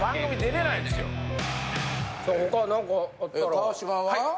川島は？